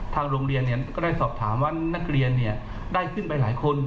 ทางโรงเรียนก็ได้สอบถามว่านักเรียนได้ขึ้นไปหลายคน